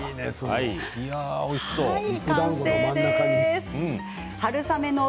おいしそう。